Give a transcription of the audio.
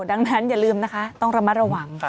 ดังนั้นอย่าลืมนะคะต้องระมัดระวัง